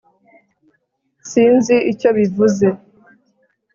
sinzi icyo bivuze